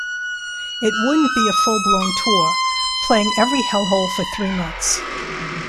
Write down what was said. It wouldn't be a full-blown tour, playing every hell-hole for three months.